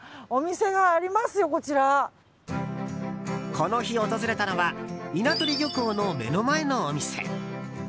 この日、訪れたのは稲取漁港の目の前のお店。